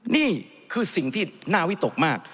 นี่คือสิ่งที่น่าวิตกมาก